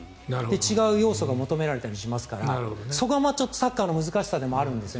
違う要素が求められたりしますからそこはサッカーの難しさでもあるんです。